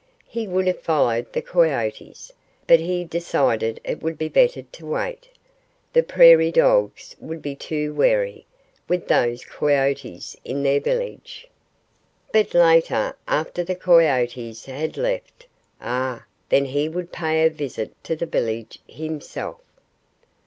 He would have followed the coyotes, but he decided it would be better to wait. The prairie dogs would be too wary, with those coyotes in their village. But later, after the coyotes had left ah! then he would pay a visit to the village himself.